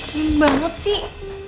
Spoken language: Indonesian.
keren banget sih